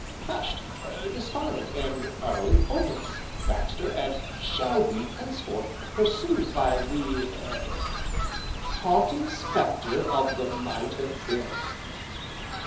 "Crushed, despondent, and utterly hopeless, Baxter, and shall be, henceforth, pursued by the er Haunting Spectre of the Might Have Been."